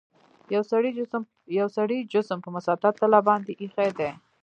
یو سړي جسم په مسطح تله باندې ایښي دي.